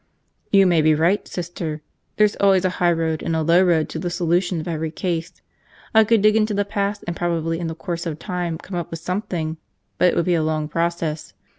"You may be right, Sister. There's always a high road and a low road to the solution of every case. I could dig into the past and probably in the course of time come up with something, but it would be a long process.